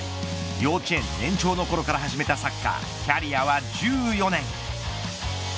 幼稚園年長のころから始めたサッカーキャリアは１４年。